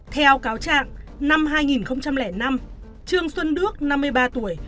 theo cáo trạng năm hai nghìn năm trương xuân đức năm mươi ba tuổi